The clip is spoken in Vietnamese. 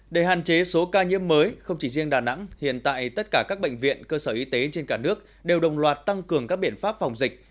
để hạn chế số ca nhiễm mới không chỉ riêng đà nẵng hiện tại tất cả các bệnh viện cơ sở y tế trên cả nước đều đồng loạt tăng cường các biện pháp phòng dịch